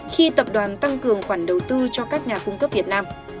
khi tập đoàn tăng cường khoản đầu tư cho các nhà cung cấp việt nam